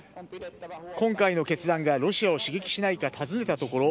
今回の決断がロシアを刺激しないか尋ねたところ